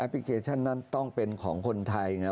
พลิเคชันนั้นต้องเป็นของคนไทย